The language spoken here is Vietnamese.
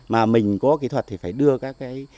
mà mình có kỹ thuật thì phải đưa các cái